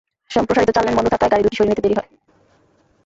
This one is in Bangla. সম্প্রসারিত চার লেন বন্ধ থাকায় গাড়ি দুটি সরিয়ে নিতে দেরি হয়।